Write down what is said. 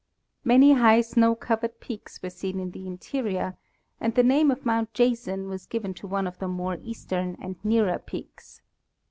Many high snow covered peaks were seen in the interior, and the name of mount Jason was given to one of the more eastern and nearer peaks.